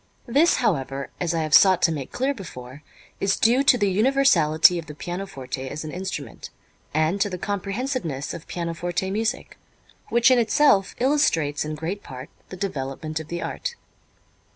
This, however, as I have sought to make clear before, is due to the universality of the pianoforte as an instrument and to the comprehensiveness of pianoforte music, which in itself illustrates in great part the development of the art.